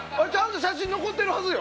写真残ってるはずよ。